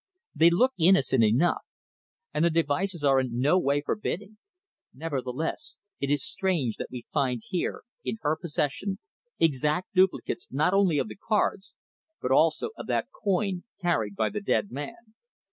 "They look innocent enough, and the devices are in no way forbidding; nevertheless, it is strange that we find here, in her possession, exact duplicates not only of the cards, but also of that coin carried by the dead man."